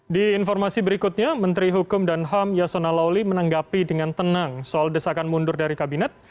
di informasi berikutnya menteri hukum dan ham yasona lawli menanggapi dengan tenang soal desakan mundur dari kabinet